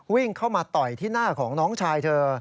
วิ่งเข้ามาต่อยที่หน้าของน้องชายเธอ